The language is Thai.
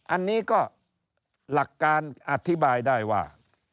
อันนี้ก็หลักการอธิบายได้ว่า